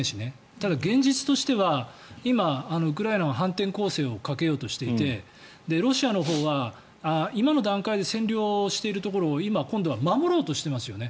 ただ、現実としては今、ウクライナは反転攻勢をかけようとしていてロシアのほうは今の段階で占領しているところを今、今度は守ろうとしていますよね。